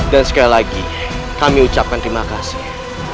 dan sekali lagi kami ucapkan terima kasih